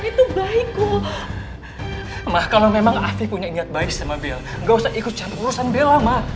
itu baik kok emang kalau memang afi punya niat baik sama bella nggak usah ikut urusan bella